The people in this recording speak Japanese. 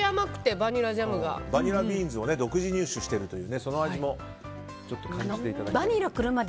バニラビーンズを独自入手しているというその味も感じていただいて。